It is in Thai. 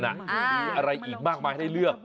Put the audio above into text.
หรืออะไรอีกมากมาให้เลือก